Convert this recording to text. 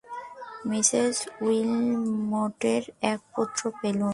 Mrs উইলমটের এক পত্র পেলুম।